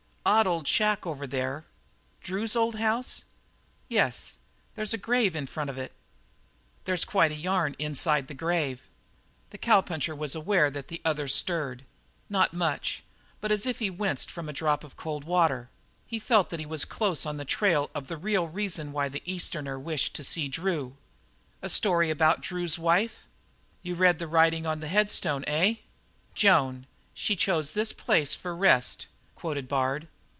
"Odd old shack over there." "Drew's old house?" "Yes. There's a grave in front of it." "And there's quite a yarn inside the grave." The cowpuncher was aware that the other stirred not much, but as if he winced from a drop of cold water; he felt that he was close on the trail of the real reason why the Easterner wished to see Drew. "A story about Drew's wife?" "You read the writing on the headstone, eh?" "'Joan, she chose this place for rest,'" quoted Bard.